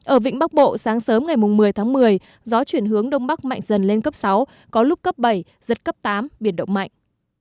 ở vịnh bắc bộ sáng sớm ngày một mươi tháng một mươi gió chuyển hướng đông bắc mạnh dần lên cấp sáu có lúc cấp bảy giật cấp tám biển động mạnh